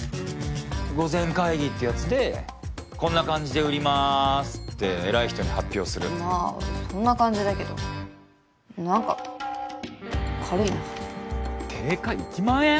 御前会議ってやつでこんな感じで売りまーすって偉い人に発表するまあそんな感じだけど何か軽いな定価１万円！？